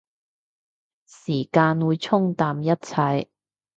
時間會沖淡一切